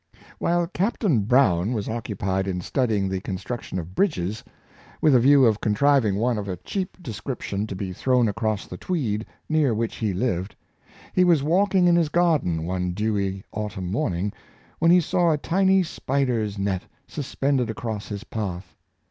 While Captain Brown was occupied in studying the construction of bridges, with a view of contriving one of a cheap description to be thrown across the Tweed, near which he lived, he was walking in his garden one dewy autumn morning, when he saw a tiny spider's net suspended across his path.